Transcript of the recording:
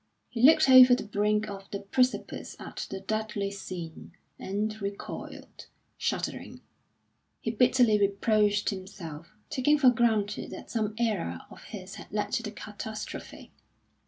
He looked over the brink of the precipice at the deadly sin, and recoiled, shuddering. He bitterly reproached himself, taking for granted that some error of his had led to the catastrophe.